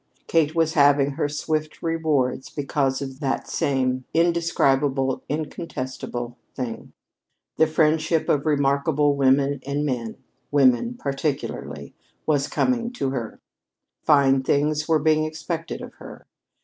Kate was having her swift rewards because of that same indescribable, incontestable thing. The friendship of remarkable women and men women, particularly was coming to her. Fine things were being expected of her.